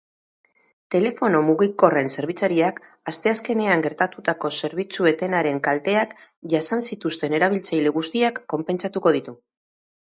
Telefono mugikorren zerbitzariak asteazkenean gertatutako zerbitzu-etenaren kalteak jasan zituzten erabiltzaile guztiak konpentsatuko ditu.